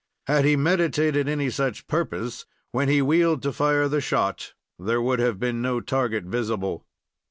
Had he meditated any such purpose, when he wheeled to fire the shot there would have been no target visible.